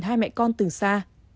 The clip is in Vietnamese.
hai mẹ con từ xa